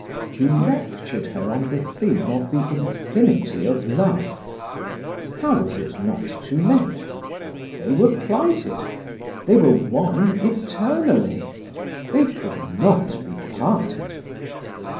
He lectured her on the theme of the infinity of love. How was it not too late? They were plighted; they were one eternally; they could not be parted.